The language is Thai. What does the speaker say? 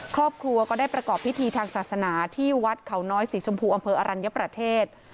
ครอบครัวก็ได้ประกอบพิธีทางศาสนาที่วัดเขาน้อยสีชมพูอำเภออรัญญประเทศ